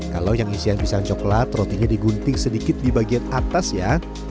kalau yang isian pisang coklat rotinya digunting sedikit di bagian atas ya